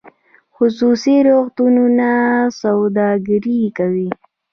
خصوصي روغتونونه سوداګري کوي